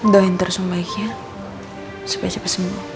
doain terus om baiknya supaya cepat sembuh